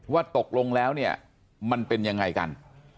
ว่าตกลงแล้วเนี่ยมันเป็นยังไงกัน